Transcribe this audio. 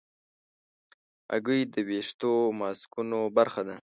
هګۍ د ویښتو ماسکونو برخه ده.